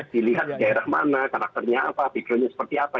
dilihat daerah mana karakternya apa video nya seperti apa